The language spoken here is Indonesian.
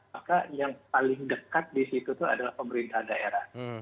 maka yang paling dekat di situ tuh adalah pemerintah daerah